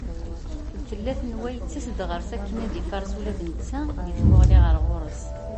Tella tenwa yettas-d ɣur-s akken ad ifares ula d netta deg tmuɣli ɣer ɣur-s.